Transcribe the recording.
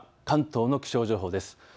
関東の気象情報です。